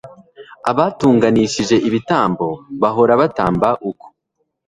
abatunganishije ibitambo bahora batamba uko